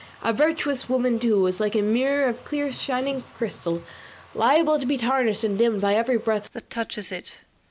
A virtuous woman, too, is like a mirror, of clear shining crystal, liable to be tarnished and dimmed by every breath that touches it.